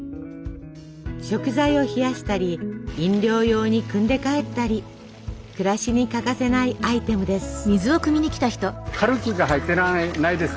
食材を冷やしたり飲料用にくんで帰ったり暮らしに欠かせないアイテムです。